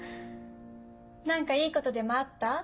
何かいいことでもあった？